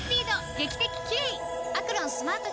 劇的キレイ！